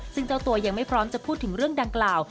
ซึ่งเจ้าตัวยังไม่พร้อมจะพูดถึงเรื่องดังกล่าว